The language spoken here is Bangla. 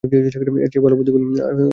এরচে ভালো কোন বুদ্ধি আছে তোমার কাছে?